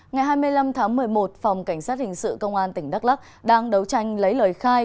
ngày hai mươi năm tháng một mươi một phòng cảnh sát hình sự công an tỉnh đắk lắc đang đấu tranh lấy lời khai